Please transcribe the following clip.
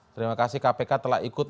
terima kasih kpk telah ikut